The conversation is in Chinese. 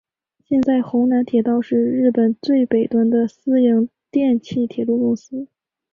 现在弘南铁道是日本最北端的私营电气铁路公司。